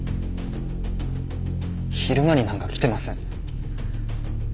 昼間になんか来てません。